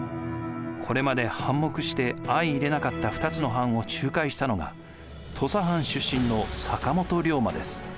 これまで反目して相いれなかった２つの藩を仲介したのが土佐藩出身の坂本龍馬です。